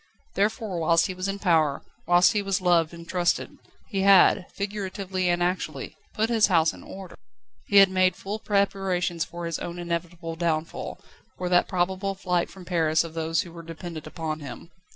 Therefore, whilst he was in power, whilst he was loved and trusted, he had, figuratively and actually, put his house in order. He had made full preparations for his own inevitable downfall, for that probable flight from Paris of those who were dependent upon him.